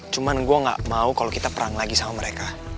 cuma gue gak mau kalau kita perang lagi sama mereka